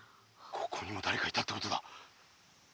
ここにもだれかいたってことだ。